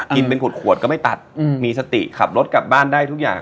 กินเป็นขวดก็ไม่ตัดมีสติขับรถกลับบ้านได้ทุกอย่าง